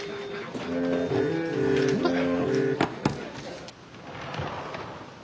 何だよ。